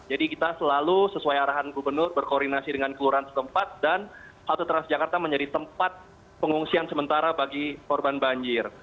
jadi kita selalu sesuai arahan gubernur berkoordinasi dengan kelurahan setempat dan halte transjakarta menjadi tempat pengungsian sementara bagi korban banjir